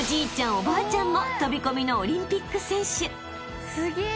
おばあちゃんも飛込のオリンピック選手］